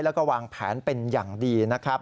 แล้วก็วางแผนเป็นอย่างดีนะครับ